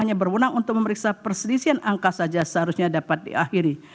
hanya berwenang untuk memeriksa perselisihan angka saja seharusnya dapat diakhiri